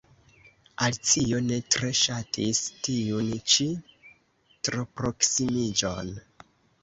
Alicio ne tre ŝatis tiun ĉi troproksimiĝon.